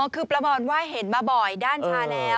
คือประมาณว่าเห็นมาบ่อยด้านชาแล้ว